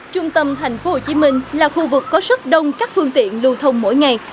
trung tâm tp hcm là khu vực có rất đông các phương tiện lưu thông mỗi ngày